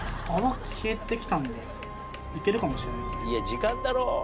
いや時間だろ。